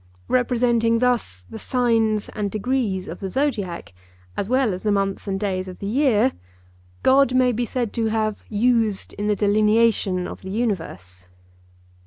representing thus the signs and degrees of the Zodiac, as well as the months and days of the year, God may be said to have 'used in the delineation of the universe.